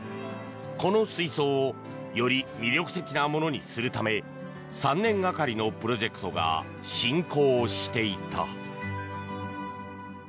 この水槽をより魅力的なものにするため３年がかりのプロジェクトが進行していた。